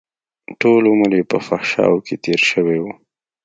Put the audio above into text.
ټول عمر يې په فحشاوو کښې تېر شوى و.